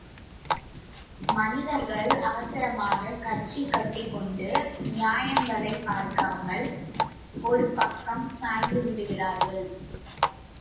மனிதர்கள் அவசரமாகக் கட்சி கட்டிக்கொண்டு, நியாயங்களைப் பார்க்காமல் ஒரு பக்கம் சாய்ந்து விடுகிறார்கள்.